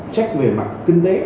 check về mặt kinh tế